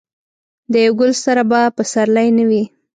د یو ګل سره به پسرلی نه وي.